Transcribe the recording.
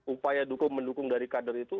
upaya dukung mendukung dari kader itu